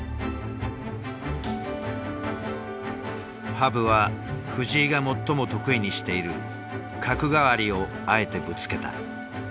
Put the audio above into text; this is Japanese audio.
羽生は藤井が最も得意にしている角換わりをあえてぶつけた。